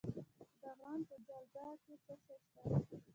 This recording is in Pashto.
د بغلان په جلګه کې څه شی شته؟